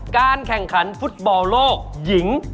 การแข่งขันฟุตบอลโลกหญิง